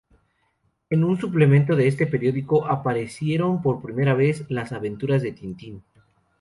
En un suplemento de este periódico aparecieron por primera vez Las aventuras de Tintín.